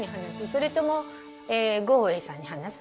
それともグオウエさんに話す？